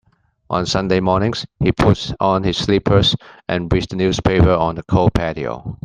On Sunday mornings, he puts on his slippers and reads the newspaper on the cold patio.